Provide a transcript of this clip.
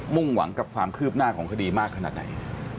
่งหวังกับความคืบหน้าของคดีมากขนาดไหน